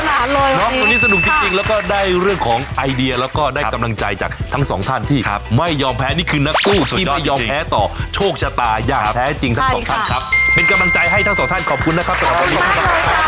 น้องคนนี้สนุกจริงแล้วก็ได้เรื่องของไอเดียแล้วก็ได้กำลังใจจากทั้งสองท่านที่ไม่ยอมแพ้นี่คือนักกู้ที่ไม่ยอมแพ้ต่อโชคชะตาอย่างแท้จริงทั้งสองท่านครับเป็นกำลังใจให้ทั้งสองท่านขอบคุณนะครับสำหรับวันนี้ครับ